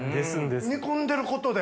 煮込んでることで。